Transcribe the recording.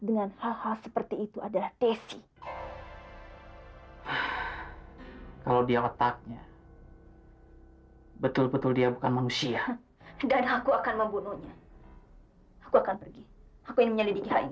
kenapa cincin pertunangan kita kamu lepaskan